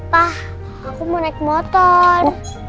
pak aku mau naik motor